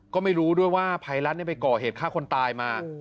ก็ไม่รู้ด้วยว่าภัยรัฐไปก่อเหตุฆ่าคนตายมา